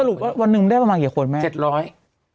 สรุปวันนึงได้ประมาณเกี่ยวกันคนไหม